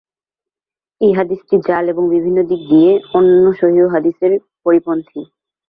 এই হাদীসটি জাল এবং বিভিন্ন দিক দিয়ে অন্যান্য সহীহ হাদীসের পরিপন্থী।